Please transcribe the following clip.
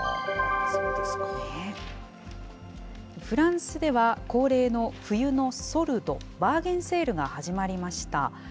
フランスでは、恒例の冬のソルド、バーゲンセールが始まりました。